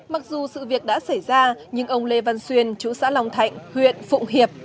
mặc dù sự việc đã xảy ra nhưng ông lê văn xuyên chú xã long thạnh huyện phụng hiệp